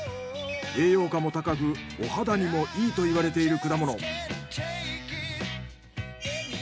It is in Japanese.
栄養価も高くお肌にもいいと言われている果物。